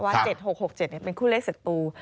๗๖๖๗เป็นคู่เลขศัตรู